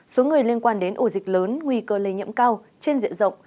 số người liên quan đến ổ dịch lớn nguy cơ lây nhiễm cao trên diện rộng